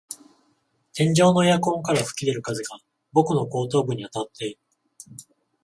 天井のエアコンから吹き出る風が僕の後頭部にあたって、